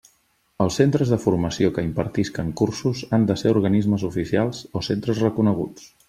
Els centres de formació que impartisquen cursos han de ser organismes oficials o centres reconeguts.